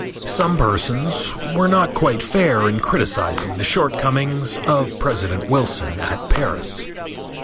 Some persons were not quite fair in criticizing the shortcomings of President Wilson at Paris.